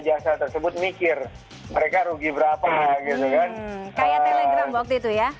pembelajaran tersebut mikir mereka rugi berapa gitu kan